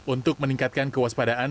untuk meningkatkan kewaspadaan